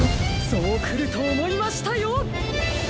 そうくるとおもいましたよ！